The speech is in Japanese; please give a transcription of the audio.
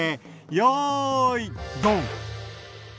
よいドン！